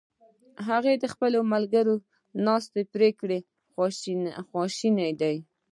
هغه د خپل ملګري له ناسمې پرېکړې خواشینی دی!